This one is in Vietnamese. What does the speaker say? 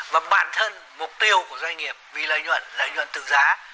và bản thân mục tiêu của doanh nghiệp vì lợi nhuận lợi nhuận từ giá